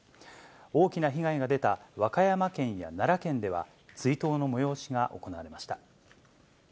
大きな被害が出た和歌山県や奈良県では、追悼の催しが行われました。